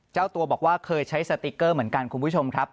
เจ้าตัวบอกว่าเคยใช้สติ๊กเกอร์เหมือนกันคุณผู้ชมครับ